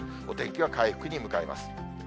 お天気は回復に向かいます。